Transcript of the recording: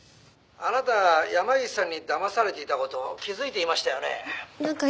「あなた山岸さんにだまされていた事気づいていましたよね？」なんか